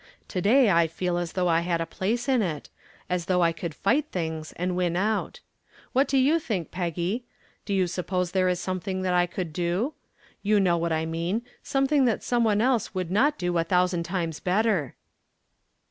To day I feel as though I had a place in it as though I could fight things and win out. What do you think, Peggy? Do you suppose there is something that I could do? You know what I mean something that some one else would not do a thousand times better."